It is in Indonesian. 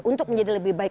untuk menjadi lebih baik